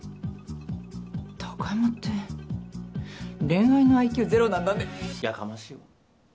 貴山って恋愛のＩＱゼロなんだね。やかましいわ。